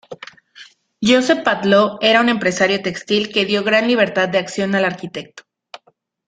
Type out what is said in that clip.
Josep Batlló era un empresario textil que dio gran libertad de acción al arquitecto.